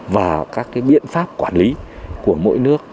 và các biện pháp quản lý của mỗi nước